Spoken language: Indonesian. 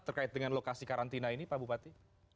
terkait dengan lokasi karantina ini pak bupati